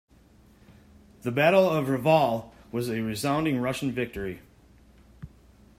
The Battle of Reval was a resounding Russian victory.